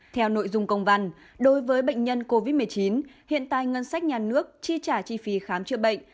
theo nội dung công văn đối với bệnh nhân covid một mươi chín hiện tại ngân sách nhà nước chi trả chi phí khám chữa bệnh